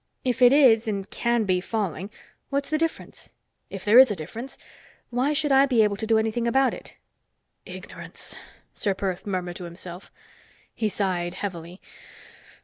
If it is and can be falling, what's the difference? If there is a difference, why should I be able to do anything about it?" "Ignorance!" Ser Perth murmured to himself. He sighed heavily.